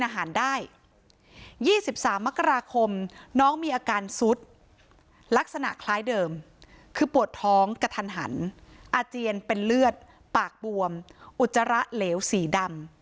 ๒๓มกราคมน้องมีอาการซุดลักษณะคล้ายเดิมคือปวดท้องกระทันหันอาเจียนเป็นเลือดปากบวมอุจจาระเหลวสีดำ